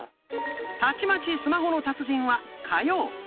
「たちまちスマホの達人」は火曜。